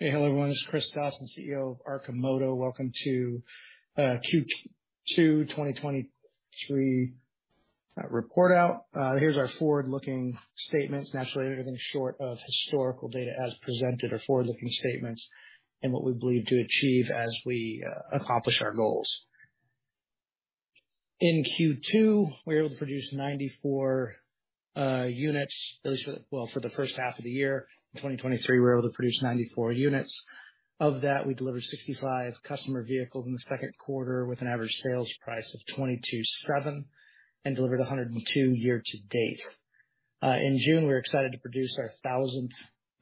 Hey, hello everyone, this is Chris Dawson, CEO of Arcimoto. Welcome to Q2 2023 report out. Here's our forward-looking statements. Naturally, everything short of historical data as presented are forward-looking statements, and what we believe to achieve as we accomplish our goals. In Q2, we were able to produce 94 units, at least for the, well, for the first half of the year. In 2023, we were able to produce 94 units. Of that, we delivered 65 customer vehicles in the second quarter, with an average sales price of $22,700, and delivered 102 year to date. In June, we were excited to produce our 1,000th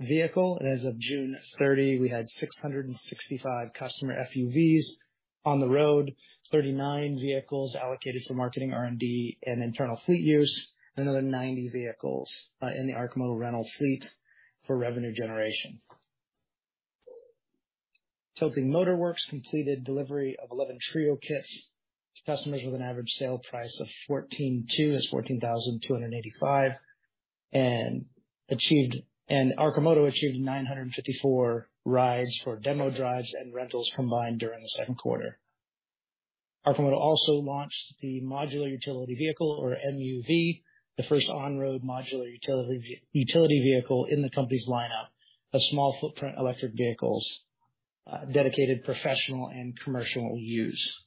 vehicle, and as of June 30, we had 665 customer FUVs on the road, 39 vehicles allocated to marketing, R&D, and internal fleet use, another 90 vehicles in the Arcimoto rental fleet for revenue generation. Tilting Motor Works completed delivery of 11 TRiO kits to customers with an average sale price of $14,285. Arcimoto achieved 954 rides for demo drives and rentals combined during the second quarter. Arcimoto also launched the Modular Utility Vehicle, or MUV, the first on-road modular utility vehicle in the company's lineup of small footprint electric vehicles dedicated professional and commercial use.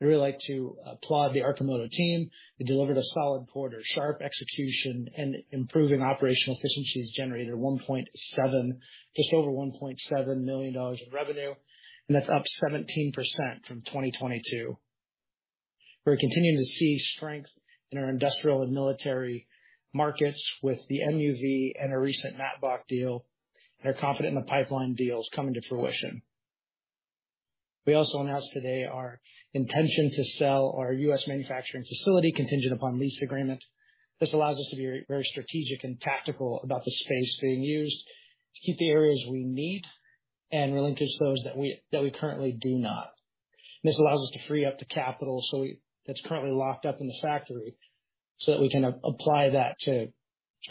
We'd really like to applaud the Arcimoto team, who delivered a solid quarter, sharp execution and improving operational efficiencies generated just over $1.7 million in revenue, and that's up 17% from 2022. We're continuing to see strength in our industrial and military markets with the MUV and a recent MATBOCK deal, and are confident in the pipeline deals coming to fruition. We also announced today our intention to sell our U.S. manufacturing facility, contingent upon lease agreement. This allows us to be very strategic and tactical about the space being used to keep the areas we need and relinquish those that we currently do not. This allows us to free up the capital that's currently locked up in the factory, so that we can apply that to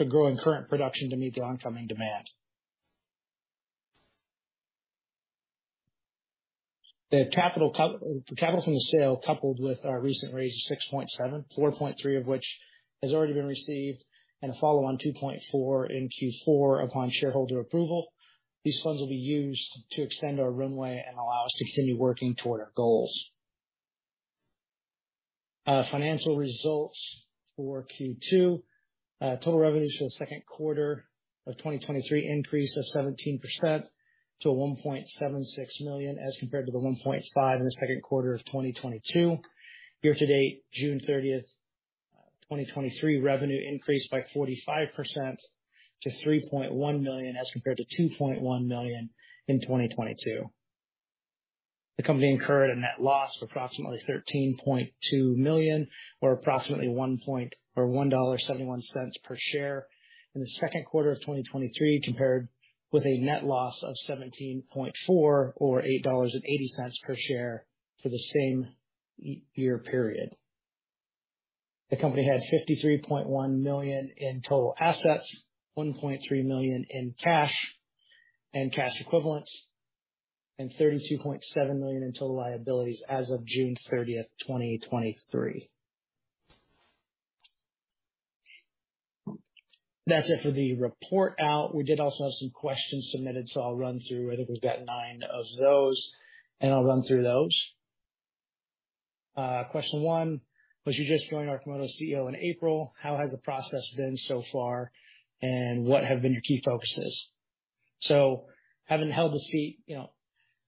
growing current production to meet the oncoming demand. The capital from the sale, coupled with our recent raise of $6.7 million, $4.3 million of which has already been received, and a follow-on $2.4 million in Q4 upon shareholder approval. These funds will be used to extend our runway and allow us to continue working toward our goals. Financial results for Q2. Total revenue for the second quarter of 2023 increased by 17% to $1.76 million, as compared to $1.5 million in the second quarter of 2022. Year to date, June 30, 2023, revenue increased by 45% to $3.1 million, as compared to $2.1 million in 2022. The company incurred a net loss of approximately $13.2 million, or approximately $1.71 per share in the second quarter of 2023, compared with a net loss of $17.4 million, or $8.80 per share for the same year period. The company had $53.1 million in total assets, $1.3 million in cash and cash equivalents, and $32.7 million in total liabilities as of June 30, 2023. That's it for the report out. We did also have some questions submitted, so I'll run through. I think we've got 9 of those, and I'll run through those. Question one: As you just joined as Arcimoto's CEO in April, how has the process been so far, and what have been your key focuses? So having held the seat, you know,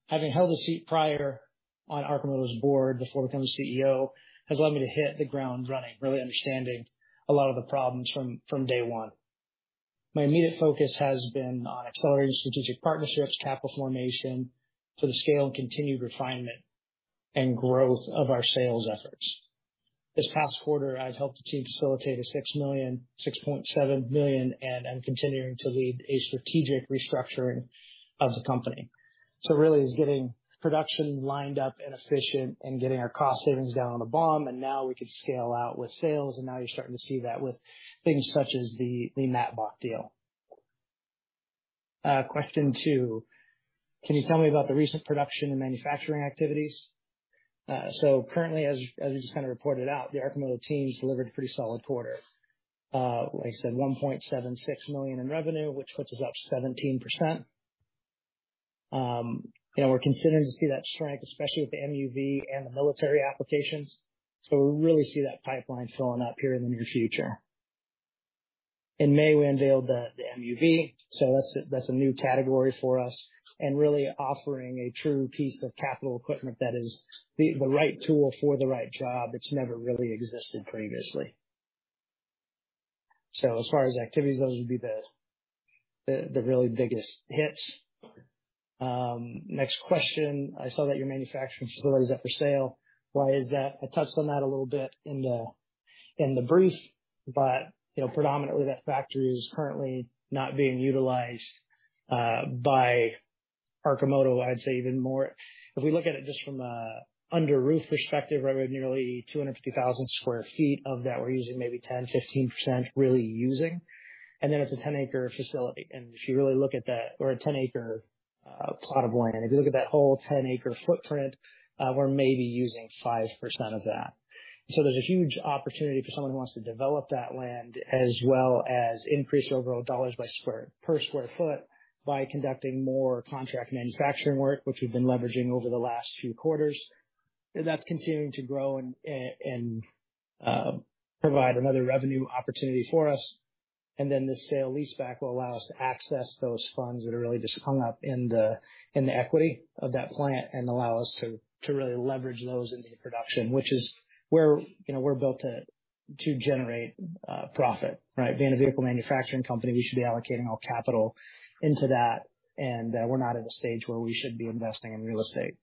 having held the seat prior on Arcimoto's board before becoming CEO, has allowed me to hit the ground running, really understanding a lot of the problems from, from day one. My immediate focus has been on accelerating strategic partnerships, capital formation to the scale and continued refinement and growth of our sales efforts. This past quarter, I've helped the team facilitate a $6 million-$6.7 million, and I'm continuing to lead a strategic restructuring of the company. So really, it's getting production lined up and efficient and getting our cost savings down on the bottom, and now we can scale out with sales, and now you're starting to see that with things such as the, the MATBOCK deal. Question two: Can you tell me about the recent production and manufacturing activities? So currently, as I just kind of reported out, the Arcimoto team's delivered a pretty solid quarter. Like I said, $1.76 million in revenue, which puts us up 17%. You know, we're continuing to see that strength, especially with the MUV and the military applications, so we really see that pipeline filling up here in the near future. In May, we unveiled the MUV, so that's a new category for us and really offering a true piece of capital equipment that is the right tool for the right job, which never really existed previously. So as far as activities, those would be the really biggest hits. Next question: I saw that your manufacturing facility is up for sale. Why is that? I touched on that a little bit in the, in the brief, but you know, predominantly, that factory is currently not being utilized by Arcimoto. I'd say even more. If we look at it just from a under roof perspective, right, we have nearly 250,000 sq ft of that. We're using maybe 10%-15% really using, and then it's a 10-acre facility. And if you really look at that, or a 10-acre plot of land, if you look at that whole 10-acre footprint, we're maybe using 5% of that. So there's a huge opportunity for someone who wants to develop that land, as well as increase overall dollars per sq ft by conducting more contract manufacturing work, which we've been leveraging over the last few quarters. That's continuing to grow and provide another revenue opportunity for us. Then this sale leaseback will allow us to access those funds that are really just hung up in the equity of that plant and allow us to really leverage those into production, which is where, you know, we're built to generate profit, right? Being a vehicle manufacturing company, we should be allocating all capital into that, and we're not at a stage where we should be investing in real estate.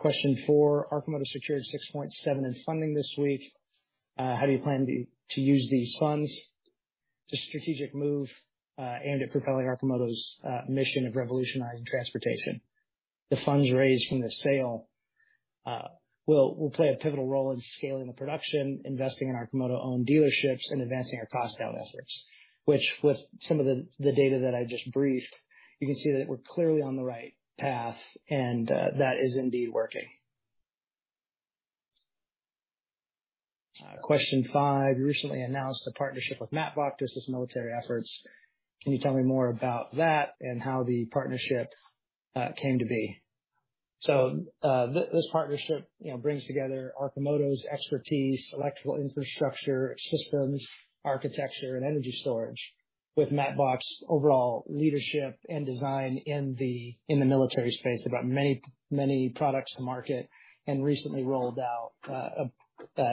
Question four: Arcimoto secured $6.7 million in funding this week. How do you plan to use these funds? It's a strategic move, and it propelling Arcimoto's mission of revolutionizing transportation. The funds raised from the sale will play a pivotal role in scaling the production, investing in Arcimoto-owned dealerships, and advancing our cost down efforts, which, with some of the data that I just briefed, you can see that we're clearly on the right path, and that is indeed working. Question five: you recently announced a partnership with MATBOCK's military efforts. Can you tell me more about that and how the partnership came to be? So, this partnership, you know, brings together Arcimoto's expertise, electrical infrastructure, systems, architecture, and energy storage, with MATBOCK's overall leadership and design in the military space. They've got many, many products to market and recently rolled out a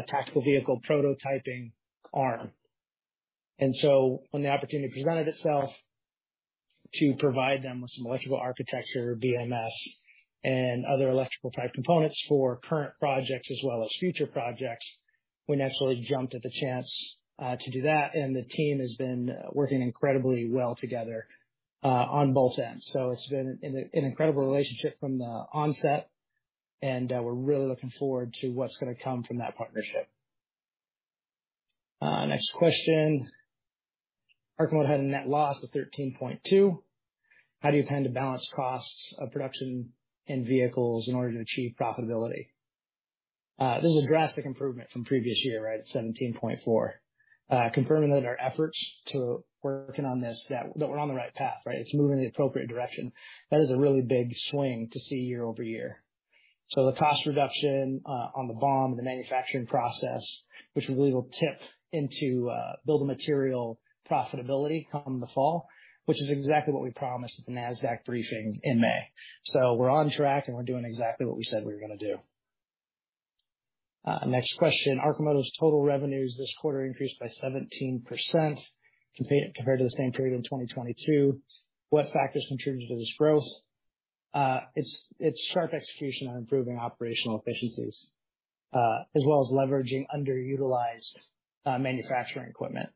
tactical vehicle prototyping arm. And so when the opportunity presented itself to provide them with some electrical architecture, BMS, and other electrical-type components for current projects as well as future projects, we naturally jumped at the chance to do that, and the team has been working incredibly well together on both ends. So it's been an incredible relationship from the onset, and we're really looking forward to what's gonna come from that partnership. Next question: Arcimoto had a net loss of $13.2. How do you plan to balance costs of production and vehicles in order to achieve profitability? This is a drastic improvement from previous year, right, at $17.4. Confirming that our efforts to working on this, that we're on the right path, right? It's moving in the appropriate direction. That is a really big swing to see year-over-year. So the cost reduction on the BOM, the manufacturing process, which we believe will tip into bill of material profitability come the fall, which is exactly what we promised at the NASDAQ briefing in May. So we're on track, and we're doing exactly what we said we were gonna do. Next question: Arcimoto's total revenues this quarter increased by 17% compared to the same period in 2022. What factors contributed to this growth? It's sharp execution on improving operational efficiencies, as well as leveraging underutilized manufacturing equipment.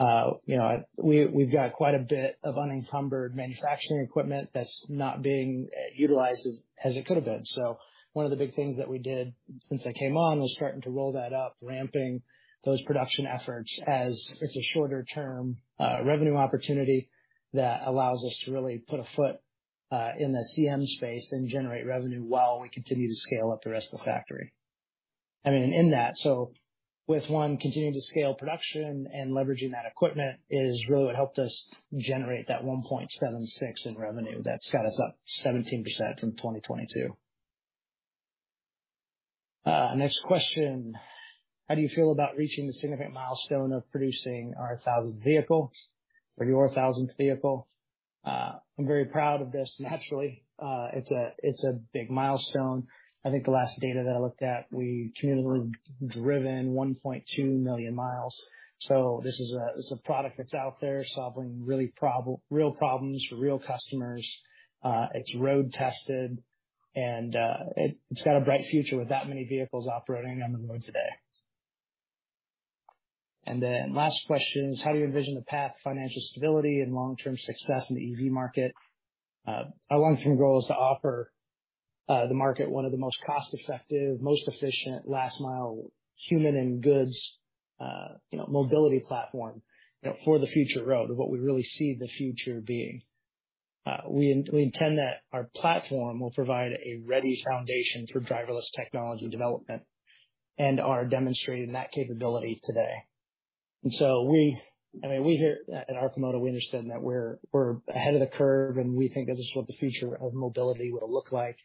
You know, we've got quite a bit of unencumbered manufacturing equipment that's not being utilized as it could have been. One of the big things that we did since I came on was starting to roll that up, ramping those production efforts as it's a shorter-term revenue opportunity that allows us to really put a foot in the CM space and generate revenue while we continue to scale up the rest of the factory. I mean, continuing to scale production and leveraging that equipment is really what helped us generate that $1.76 in revenue. That's got us up 17% from 2022. Next question: How do you feel about reaching the significant milestone of producing our thousandth vehicle or your thousandth vehicle? I'm very proud of this, naturally. It's a big milestone. I think the last data that I looked at, we cumulatively driven 1.2 million miles. So this is a product that's out there solving real problems for real customers. It's road tested, and it's got a bright future with that many vehicles operating on the road today. And then last question is: How do you envision the path to financial stability and long-term success in the EV market? Our long-term goal is to offer the market one of the most cost-effective, most efficient, last-mile, human and goods, you know, mobility platform, you know, for the future road, what we really see the future being. We intend that our platform will provide a ready foundation for driverless technology development and are demonstrating that capability today. And so we, I mean, we here at Arcimoto, we understand that we're, we're ahead of the curve, and we think this is what the future of mobility will look like.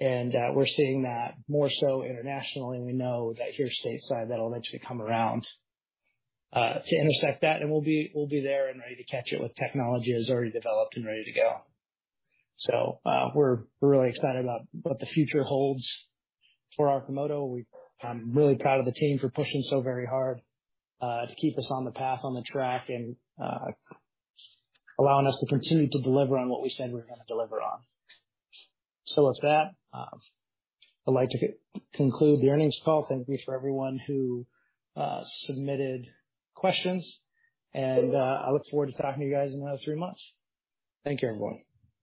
And, we're seeing that more so internationally, and we know that here stateside, that'll eventually come around, to intersect that, and we'll be, we'll be there and ready to catch it with technology that's already developed and ready to go. So, we're really excited about what the future holds for Arcimoto. I'm really proud of the team for pushing so very hard, to keep us on the path, on the track, and, allowing us to continue to deliver on what we said we were gonna deliver on. So with that, I'd like to conclude the earnings call. Thank you for everyone who submitted questions, and I look forward to talking to you guys in another three months. Thank you, everyone.